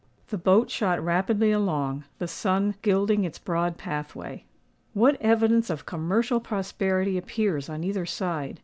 The boat shot rapidly along, the sun gilding its broad pathway. What evidence of commercial prosperity appears on either side!